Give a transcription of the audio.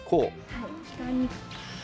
はい。